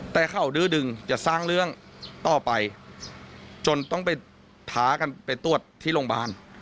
แต่เขาดื้อดึงจะสร้างเรื่องต่อไปจนต้องไปท้ากันไปตรวจที่โรงพยาบาล